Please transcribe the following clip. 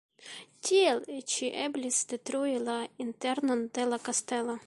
Tiel ĉi eblis detrui la internon de la kastelo.